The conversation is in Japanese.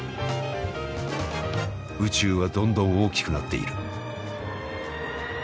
宇宙はどんどん大きくなっている。